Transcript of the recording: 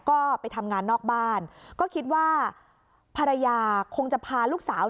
ก็ไปทำงานนอกบ้านก็คิดว่าภรรยาคงจะพาลูกสาว